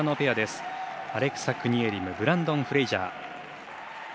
アレクサ・クニエリムブランドン・フレイジャー。